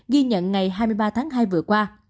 ghi nhận ngày hai mươi ba tháng hai vừa qua